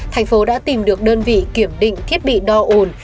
tp hcm đã tìm được đơn vị kiểm định thiết bị đo ồn